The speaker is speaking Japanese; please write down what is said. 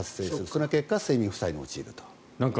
その結果、睡眠負債に陥ると。